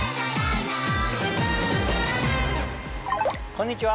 こんにちは